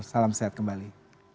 salam sehat kembali